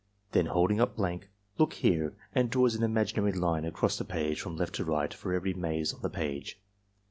Then, holding up blank, "Look here," and draws an imaginary line across the page from left to right for every maze on the page.